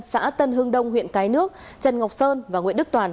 xã tân hưng đông huyện cái nước trần ngọc sơn và nguyễn đức toàn